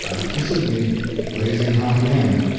Back to Sydney. Blazing hot again.